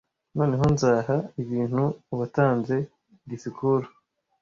Noneho nzaha ibintu uwatanze disikuru.